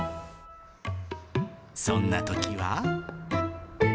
そんなときは。